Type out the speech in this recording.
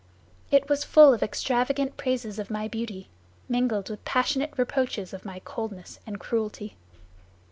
It was full of extravagant praises of my beauty, mingled with passionate reproaches of my coldness and cruelty.